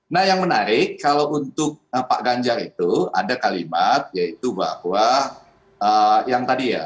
nah yang menarik kalau untuk pak ganjar itu ada kalimat yaitu bahwa yang tadi ya